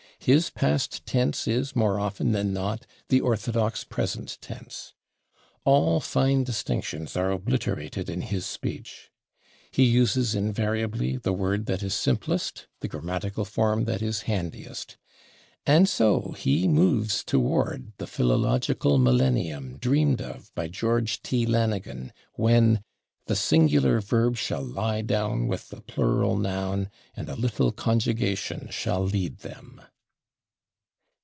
His past tense is, more often than not, the orthodox present tense. All fine distinctions are obliterated in his speech. He uses invariably the word that is simplest, the grammatical form that is handiest. And so he moves toward the philological millennium dreamed of by George T. Lanigan, when "the singular verb shall lie down with the plural noun, and a little conjugation shall lead them."